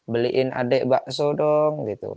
beliin adik bakso dong